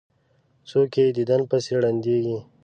څوک یې دیدن پسې ړندیږي.